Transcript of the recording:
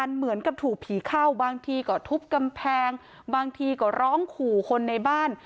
เหมือนกับถูกผีเข้าบางทีก็ทุบกำแพงบางทีก็ร้องขู่คนในบ้าน